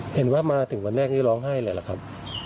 เห็นว่ามาถึงวันแรกเล่วหล้องให้เหรอครับ